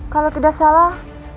kalau tidak salah